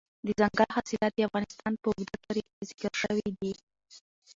دځنګل حاصلات د افغانستان په اوږده تاریخ کې ذکر شوي دي.